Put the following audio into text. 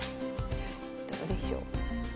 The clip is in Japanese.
どうでしょう？